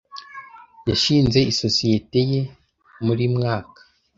Yashinze isosiyete ye muri mwaka.